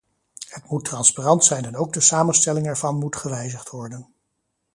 Het moet transparant zijn en ook de samenstelling ervan moet gewijzigd worden.